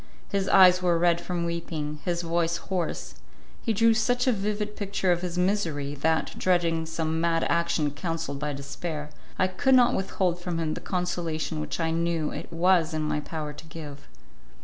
His eyes were red from weeping, his voice hoarse; he drew such a vivid picture of his misery, that, dreading some mad action counselled by despair, I could not withhold from him the consolation which I knew it was in my power to give.